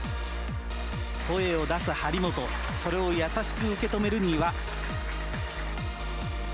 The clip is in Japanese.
声を出す張本、それを優しく受け止める丹羽。